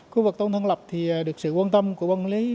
khu vực thôn tần lập thì được sự quan tâm của quân lý